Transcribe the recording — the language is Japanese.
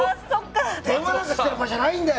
電話なんかしてる場合じゃないんだよ。